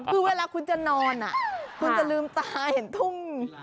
คือเวลาคุณจะนอนคุณจะลืมตาเห็นทุ่ง